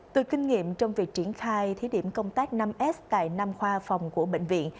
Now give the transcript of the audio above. từ kinh nghiệm trong việc triển khai thí điểm công tác năm s tại năm khoa phòng của bệnh viện